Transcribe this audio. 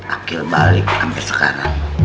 akil balik sampe sekarang